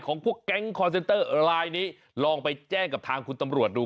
พวกแก๊งคอร์เซนเตอร์ลายนี้ลองไปแจ้งกับทางคุณตำรวจดู